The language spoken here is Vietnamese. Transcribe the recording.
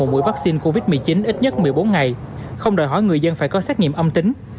mỗi vaccine covid một mươi chín ít nhất một mươi bốn ngày không đòi hỏi người dân phải có xét nghiệm âm tính